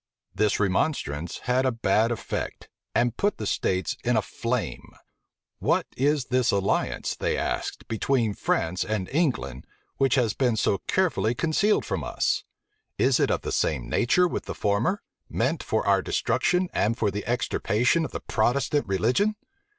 This remonstrance had a bad effect and put the states in a flame. What is this alliance, they asked, between France and England, which has been so care fully concealed from us? Is it of the same nature with the former; meant for our destruction, and for the extirpation of the Protestant religion?